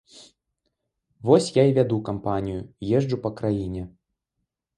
Вось я і вяду кампанію, езджу па краіне.